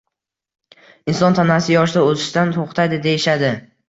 Inson tanasi yoshda o'sishdan to'xtaydi deyishadi.